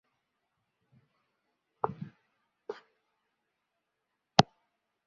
丰丘村是长野县下伊那郡北部的一村。